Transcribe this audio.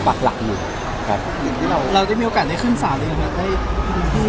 ทุกคนก็เหมือนจะได้เห็นอ่าตามที่เห็นนะครับ